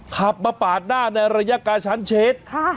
ขับมาปาดหน้าในระยะกาศชั้นชิดค่ะ